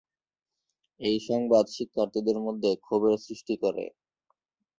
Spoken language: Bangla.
এই সংবাদ শিক্ষার্থীদের মধ্যে ক্ষোভের সৃষ্টি করে।